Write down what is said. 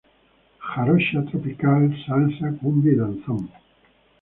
Jarocha, tropical, salsa, cumbia y danzón.